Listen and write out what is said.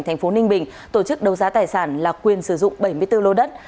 thành phố ninh bình tổ chức đấu giá tài sản là quyền sử dụng bảy mươi bốn lô đất